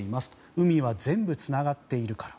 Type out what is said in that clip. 海は全部つながっているから。